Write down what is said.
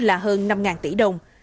là hơn năm tỷ đồng